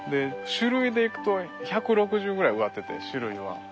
種類でいくと１６０ぐらい植わってて種類は。